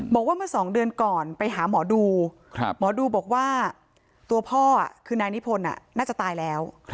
บอกว่าเมื่อ๒เดือนก่อนไปหาหมอดูหมอดูบอกว่าตัวพ่อคือนายนิพนธ์น่าจะตายแล้ว